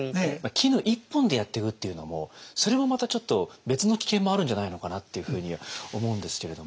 絹一本でやってくっていうのもそれもまたちょっと別の危険もあるんじゃないのかなっていうふうに思うんですけれども。